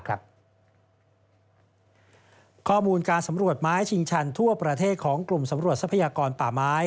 ข้อมูลการสำรวจไม้ชิงชันทั่วประเทศของกลุ่มสำรวจทรัพยากรป่าไม้